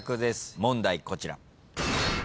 問題こちら。